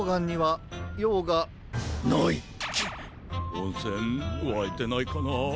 おんせんわいてないかな？